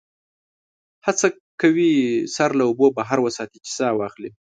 هڅه کوي سر له اوبو بهر وساتي چې سا واخلي.